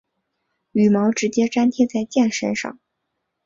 羽毛直接粘贴在箭身上。